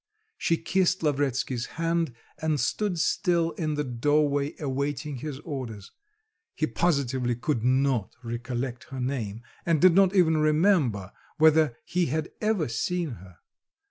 She kissed Lavretsky's hand and stood still in the doorway awaiting his orders. He positively could not recollect her name and did not even remember whether he had ever seen her.